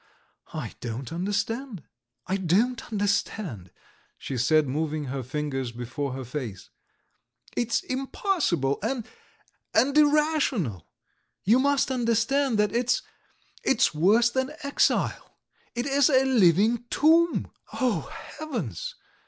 "I don't understand, I don't understand," she said, moving her fingers before her face. "It's impossible, and ... and irrational! You must understand that it's ... it's worse than exile. It is a living tomb! O Heavens!"